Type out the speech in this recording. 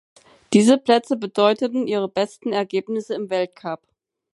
Platz, diese Plätze bedeuteten ihre besten Ergebnisse im Weltcup.